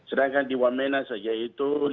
sedangkan di wamena saja itu rp lima ratus